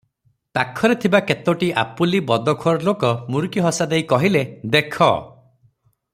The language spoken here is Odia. ପାଖରେ ଥିବା କେତୋଟା ଆପୁଲି ବଦଖୋର ଲୋକ ମୁଡ଼ୁକିହସାଦେଇ କହିଲେ- "ଦେଖ!